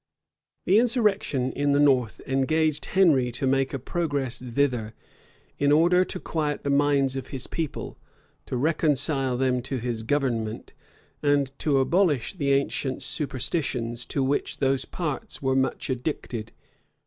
* Hertert, p. 468. {1541.} The insurrection in the north engaged Henry to make a progress thither, in order to quiet the minds of his people, to reconcile them to his government, and to abolish the ancient superstitions, to which those parts were much addicted.